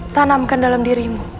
tanamkan dalam dirimu